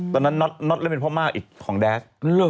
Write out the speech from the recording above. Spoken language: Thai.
ตอนนั้นน็อตเล่นเป็นพ่อมากอีกของแดด